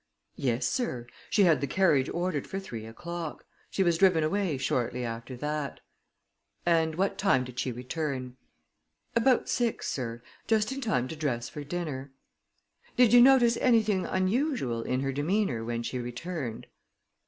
"Yes, sir; she had the carriage ordered for three o'clock. She was driven away shortly after that." "And what time did she return?" "About six, sir; just in time to dress for dinner." "Did you notice anything unusual in her demeanor when she returned?"